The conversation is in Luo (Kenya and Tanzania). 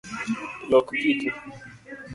Lok kiti